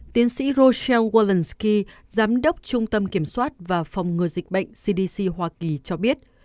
tiến sĩ roseel welansky giám đốc trung tâm kiểm soát và phòng ngừa dịch bệnh cdc hoa kỳ cho biết